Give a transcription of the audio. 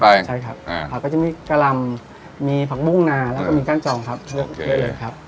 ใช่ครับผักก็จะมีกะลำมีผักบุ้งนาแล้วก็มีก้านจองครับ